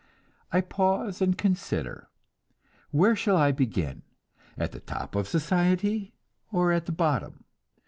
I pause and consider: Where shall I begin? At the top of society, or at the bottom?